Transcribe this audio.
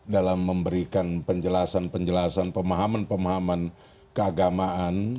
dalam memberikan penjelasan penjelasan pemahaman pemahaman keagamaan